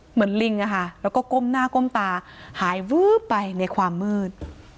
เหมือนลิงนะคะแล้วก็ก้มหน้าก้มตาหายไปในความมืด